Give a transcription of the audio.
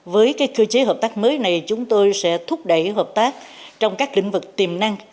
với cơ chế hợp tác mới này chúng tôi sẽ thúc đẩy hợp tác trong các lĩnh vực tiềm năng